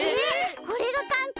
これがかん光？